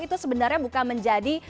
itu sebenarnya bukan menjadi